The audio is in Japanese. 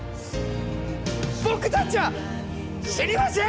僕たちは死にましぇん！